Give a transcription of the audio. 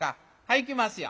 いきますよ。